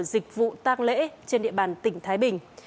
dịch vụ tăng lễ trên địa bàn tỉnh thái bình